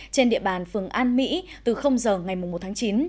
trên địa bàn phường an mỹ từ giờ ngày một tháng chín